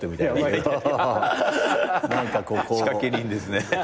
仕掛人ですね。